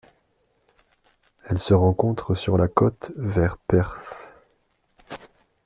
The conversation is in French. Elle se rencontre sur la côte vers Perth.